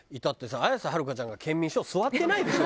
綾瀬はるかちゃんが『ケンミンＳＨＯＷ』座ってないでしょ？